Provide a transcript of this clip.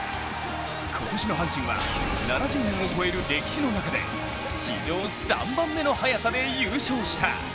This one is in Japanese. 今年の阪神は７０年を超える歴史の中で史上３番目の速さで優勝した。